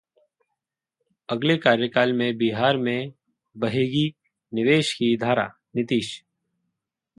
अगले कार्यकाल में बिहार में बहेगी निवेश की धारा: नीतीश